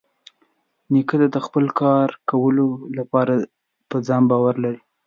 نیکه تل د خپل کار کولو لپاره په ځان باور لري.